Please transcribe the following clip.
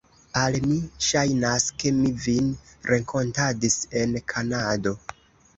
Al mi ŝajnas, ke mi vin renkontadis en Kanado.